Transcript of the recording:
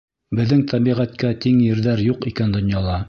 Беҙҙең тәбиғәткә тиң ерҙәр юҡ икән донъяла.